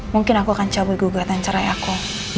mungkin aku akan cabut gugatan cerai aku